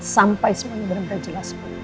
sampai semuanya benar benar jelas